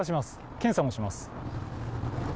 検査もします。